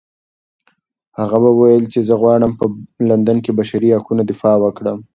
هغې وویل چې زه غواړم په لندن کې د بشري حقونو دفاع وکړم.